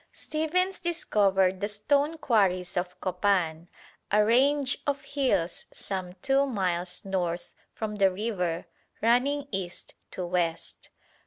Stephens discovered the stone quarries of Copan, a range of hills some two miles north from the river, running east to west.